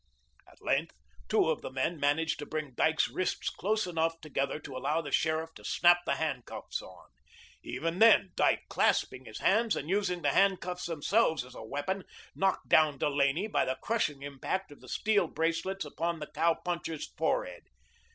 At length, two of the men managed to bring Dyke's wrists close enough together to allow the sheriff to snap the handcuffs on. Even then, Dyke, clasping his hands, and using the handcuffs themselves as a weapon, knocked down Delaney by the crushing impact of the steel bracelets upon the cow puncher's forehead.